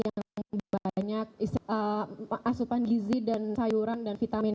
yang banyak asupan gizi dan sayuran dan vitamin